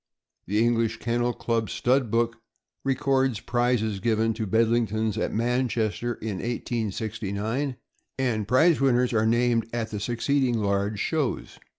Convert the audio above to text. The English Kennel Club Stud Book records prizes given to Bedlingtons at Manchester, in 1869, and prize winners are named at the succeeding large shows.